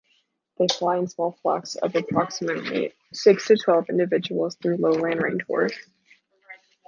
They fly in small flocks of approximately six to twelve individuals through lowland rainforests.